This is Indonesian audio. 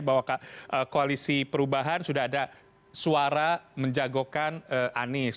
bahwa koalisi perubahan sudah ada suara menjagokan anies